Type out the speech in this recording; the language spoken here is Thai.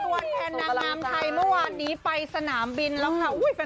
สวรรค์แทนน้ำน้ำใจเมื่อวันนี้ไปสนามบินแล้วค่ะ